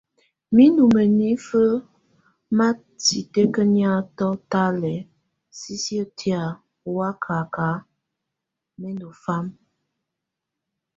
Mɛ̀ ndù mǝnifǝ ma titǝkǝniǝtɔ talɛ̀á sisiǝ́ tɛ̀á ɔ waka mɛ ndù fama.